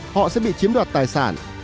họ sẽ bị chiếm đoạt tài sản